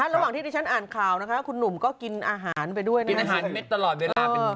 ระหว่างที่ดิฉันอ่านข่าวนะคะคุณหนุ่มก็กินอาหารไปด้วยนะคะ